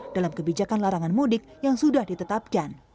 dalam kebijakan larangan mudik yang sudah ditetapkan